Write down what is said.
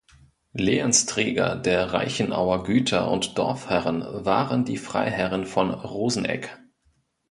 Lehensträger der Reichenauer Güter und Dorfherren waren die Freiherren von Rosenegg.